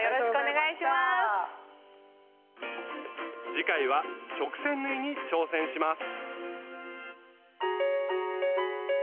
次回は直線縫いに挑戦します。